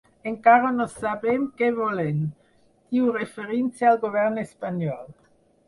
Encara no sabem què volen, diu referint-se al govern espanyol.